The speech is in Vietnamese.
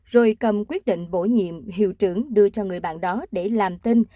rồi cầm quyết định bổ nhiệm hiệu trưởng đưa cho người bạn đó để làm tin